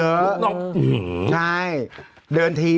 ลูกน้องอื้อหือ